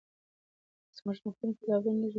زموږ مخکني قضاوتونه لږ او اصلاح کیږي.